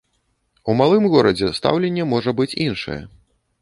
У малым горадзе стаўленне можа быць іншае.